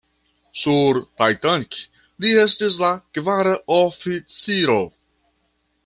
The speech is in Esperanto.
Sur "Titanic" li estis la kvara oficiro.